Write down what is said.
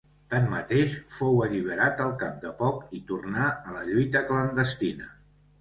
Tanmateix, fou alliberat al cap de poc i tornà a la lluita clandestina.